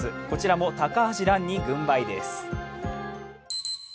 こちらも高橋藍に軍配です。